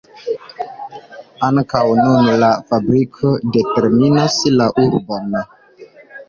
Ankaŭ nun la fabriko determinas la urbon.